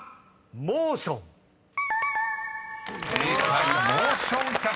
「モーション」［正解。